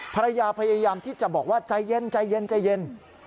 พยายามที่จะบอกว่าใจเย็นใจเย็นใจเย็น